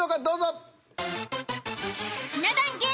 どうぞ。